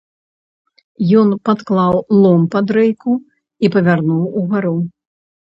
Ён падклаў лом пад рэйку і павярнуў угару.